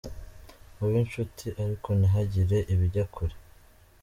Mube inshuti ariko ntihagire ibijya kure.